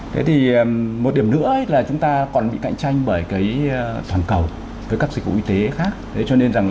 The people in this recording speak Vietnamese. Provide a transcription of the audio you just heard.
thế thì một điểm nữa là chúng ta còn bị cạnh tranh bởi cái toàn cầu với các dịch vụ y tế khác